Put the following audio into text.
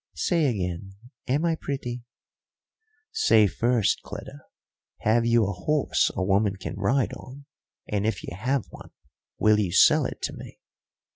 Say again, am I pretty?" "Say first, Cleta, have you a horse a woman can ride on, and if you have one, will you sell it to me?"